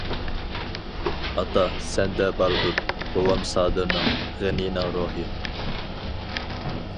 ئاتا-سەندە باردۇر، بوۋام سادىرنىڭ، غېنىنىڭ روھى.